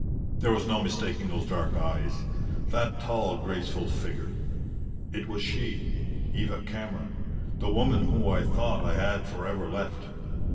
There was no mistaking those dark eyes, that tall, graceful figure. It was she Eva Cameron, the woman whom I thought I had for ever left.